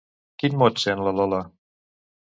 Quin mot sent la Lola?